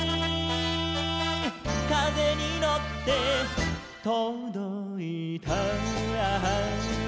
「かぜにのってとどいた」